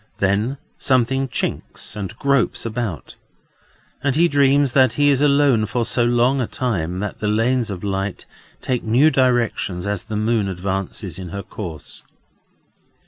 Then something clinks and gropes about, and he dreams that he is alone for so long a time, that the lanes of light take new directions as the moon advances in her course.